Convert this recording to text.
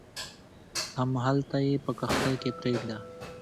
همدلته یې په کښتۍ کې پرېږده.